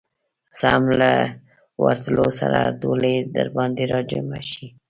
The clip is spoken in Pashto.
سم له ورتلو سره ټولې درباندي راجمعه شي.